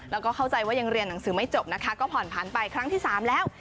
แล้วก็เข้าใจว่ายังเรียนหนังสือไม่จบนะคะก็ผ่อนผันไปครั้งที่๓แล้ว